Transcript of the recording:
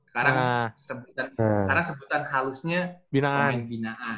sekarang sebutan halusnya pemain binaan